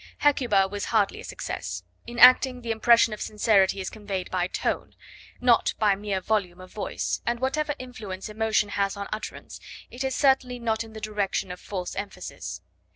Hecuba was hardly a success. In acting, the impression of sincerity is conveyed by tone, not by mere volume of voice, and whatever influence emotion has on utterance it is certainly not in the direction of false emphasis.